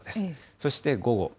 そして午後。